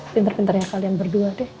pinter pinternya kalian berdua deh